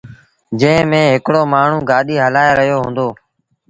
جݩهݩ ميݩ هڪڙو مآڻهوٚݩ گآڏيٚ هلآئي رهيو هُݩدو۔